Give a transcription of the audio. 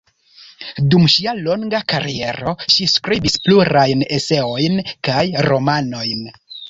Dum ŝia longa kariero ŝi skribis plurajn eseojn kaj romanojn.